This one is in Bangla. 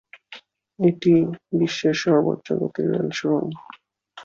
এটি বিশ্বের সর্বোচ্চ গতির রেল সুড়ঙ্গ।